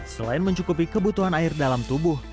selain mencukupi kebutuhan air dalam tubuh